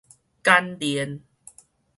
簡練